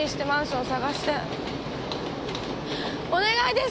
お願いです！